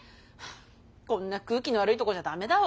こんな空気の悪いとこじゃダメだわ。